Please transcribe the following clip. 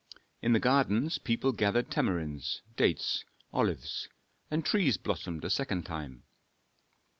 In the gardens people gathered tamarinds, dates, olives; and trees blossomed a second time.